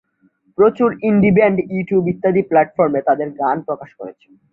প্রচুর indie band YouTube ইত্যাদি প্ল্যাটফর্মে তাদের গান প্রকাশ করছে।